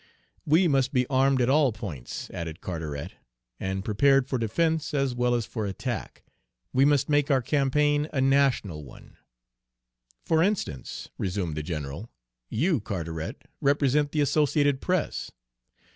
"We must be armed at all points," added Carteret, "and prepared for defense as well as for attack, we must make our campaign a national one." "For instance," resumed the general, "you, Carteret, represent the Associated Press.